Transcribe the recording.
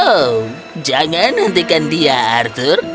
oh jangan hentikan dia arthur